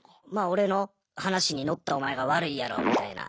俺の話にのったお前が悪いやろみたいな。